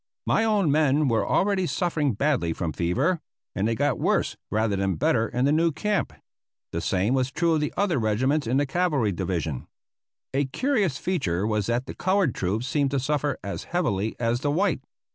My own men were already suffering badly from fever, and they got worse rather than better in the new camp. The same was true of the other regiments in the cavalry division. A curious feature was that the colored troops seemed to suffer as heavily as the white.